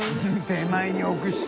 手前に置くし。